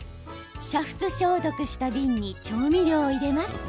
煮沸消毒した瓶に調味料を入れます。